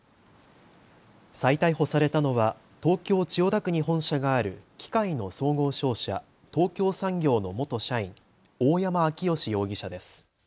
再逮捕されたのは東京千代田区に本社がある機械の総合商社、東京産業の元社員、大山彰義容疑者です。